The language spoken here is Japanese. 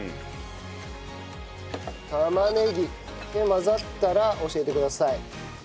玉ねぎ。で混ざったら教えてください。